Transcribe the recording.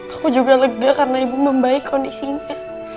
aku juga lega karena ibu membaik kondisinya